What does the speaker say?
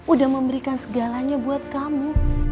udah memberikan segalanya buat kamu